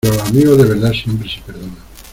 pero los amigos de verdad siempre se perdonan